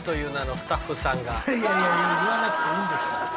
いやいやいや言わなくていいんです。